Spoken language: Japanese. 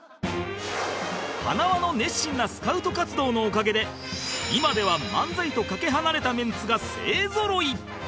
塙の熱心なスカウト活動のおかげで今では漫才とかけ離れたメンツが勢ぞろい